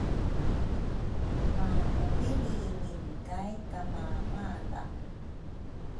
maubilringi kay kamamala.